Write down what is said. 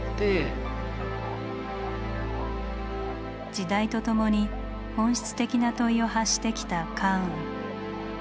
時代とともに本質的な問いを発してきたカーン。